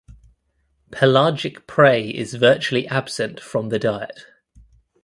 Pelagic prey is virtually absent from the diet.